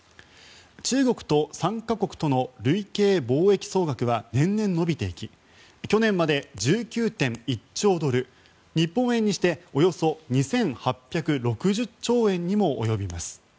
中国と参加国との累計貿易総額は年々伸びていき去年まで１９．１兆ドル日本円にしておよそ２８６０兆円にも及びます。